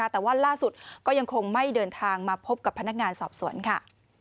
แต่ว่าล่าสุดก็ยังคงไม่เดินทางมาพบกับพนักงานสอบสวนค่ะ